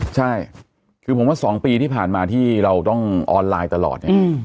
ใช่คือผมว่า๒ปีที่ผ่านมาที่เราต้องออนไลน์ตลอดเนี่ย